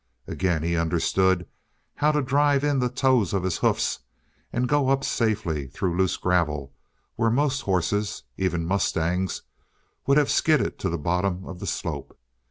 Again he understood how to drive in the toes of his hoofs and go up safely through loose gravel where most horses, even mustangs, would have skidded to the bottom of the slope.